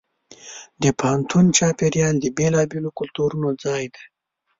د پوهنتون چاپېریال د بېلابېلو کلتورونو ځای دی.